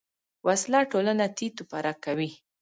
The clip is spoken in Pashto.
وسله ټولنه تیت و پرک کوي